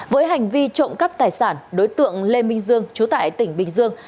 với hành vi trộm cắp tài sản đối tượng lê minh dương chú tại tỉnh bình dương